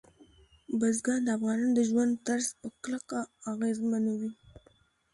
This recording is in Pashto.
بزګان د افغانانو د ژوند طرز په کلکه اغېزمنوي.